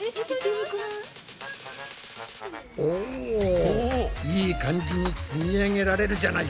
おいい感じに積み上げられるじゃないか。